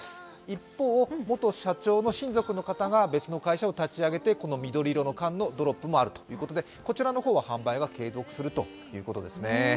一方、元社長の親族の方が別の会社を立ち上げてこの緑色の缶のドロップもあるということでこちらの方は販売が継続するということですね。